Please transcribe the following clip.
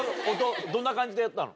どんな感じでやったの？